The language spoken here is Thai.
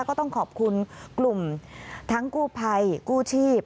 ก็ต้องขอบคุณกลุ่มทั้งกู้ภัยกู้ชีพ